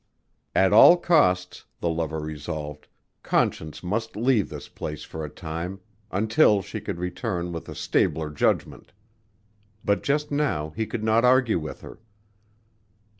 At all costs, the lover resolved, Conscience must leave this place for a time until she could return with a stabler judgment. But just now he could not argue with her.